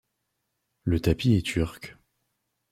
Le tapis est turc.